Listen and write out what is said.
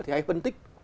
thì hãy phân tích